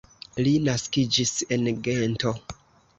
Li naskiĝis en Gento.